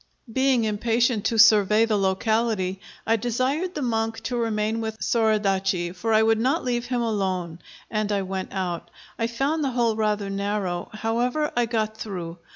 Being impatient to survey the locality, I desired the monk to remain with Soradaci, for I would not leave him alone, and I went out. I found the hole rather narrow; however, I got through.